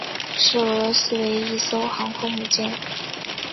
是俄罗斯唯一一艘航空母舰。